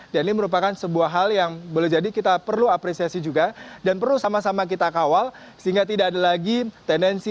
dan ini merupakan sebuah hal yang belum jadi kita perlu apresiasi juga dan perlu sama sama kita kawal sehingga tidak ada lagi tendensi